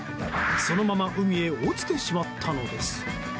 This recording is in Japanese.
そのまま海へ落ちてしまったのです。